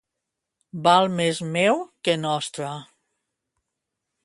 Val més meu que nostre.